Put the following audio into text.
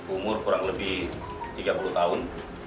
umur kurang lebih tiga puluh tahun